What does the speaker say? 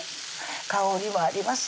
香りもあります